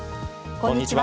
こんにちは。